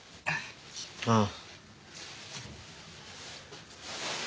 ああ。